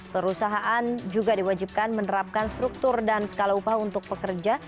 perusahaan juga diwajibkan menerapkan struktur dan skala upah untuk pekerja